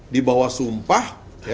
di bawah sumpah